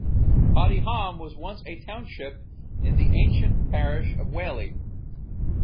Padiham was once a township in the ancient parish of Whalley.